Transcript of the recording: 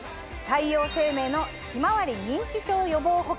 太陽生命の「ひまわり認知症予防保険」。